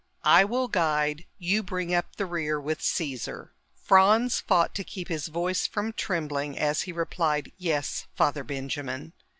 "I will guide. You bring up the rear with Caesar." Franz fought to keep his voice from trembling as he replied, "Yes, Father Benjamin."